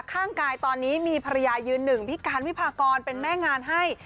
ข้างกายตอนนี้มีภรรยายืนหนึ่งพี่การวิพากรเป็นแม่งานให้